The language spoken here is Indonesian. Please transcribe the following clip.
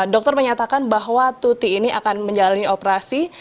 dokter menyatakan bahwa tuti ini akan menjalani operasi